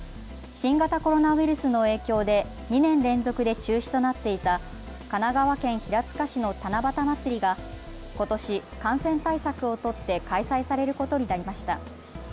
新型コロナウイルスの影響で２年連続で中止となっていた神奈川県平塚市の七夕まつりがことし、感染対策を取って開催されることになりました。